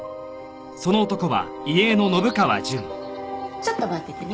ちょっと待っててね。